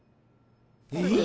えっ？